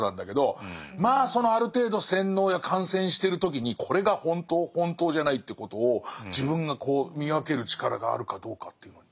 まあそのある程度洗脳や感染してる時にこれが本当本当じゃないっていうことを自分が見分ける力があるかどうかっていうのに。